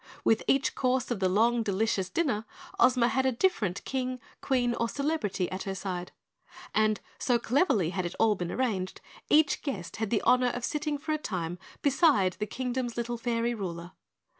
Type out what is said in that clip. With each course of the long delicious dinner Ozma had a different King, Queen, or Celebrity at her side, and so cleverly had it all been arranged, each guest had the honor of sitting for a time beside the Kingdom's Little Fairy Ruler.